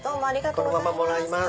このままもらいます。